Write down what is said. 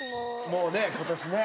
もうね今年ね。